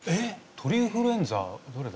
鳥インフルエンザどれだ？